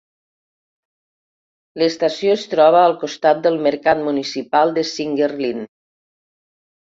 L'estació es troba al costat del mercat municipal de Singuerlín.